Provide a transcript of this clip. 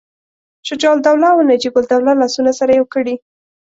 شجاع الدوله او نجیب الدوله لاسونه سره یو کړي.